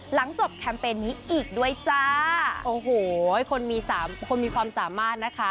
หลังจบแคมเปญนี้อีกด้วยจ้าโอ้โหคนมีสามคนมีความสามารถนะคะ